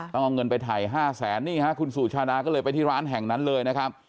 ต้องเอาเงินไปถ่าย๕แสนนี่ฮะคุณสุชาดาก็เลยไปที่ร้านแห่งนั้นเลยนะครับ